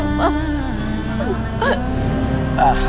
kalian tunggu di sini ya